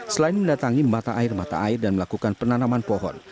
selain mendatangi mata air mata air dan melakukan penanaman pohon